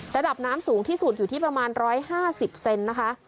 ระดับน้ำสูงที่สุดอยู่ที่ประมาณ๑๕๐เซนนะคะ